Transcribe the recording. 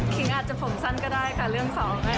ครีงอาจผมสั้นก็ได้ค่ะเรื่อง๒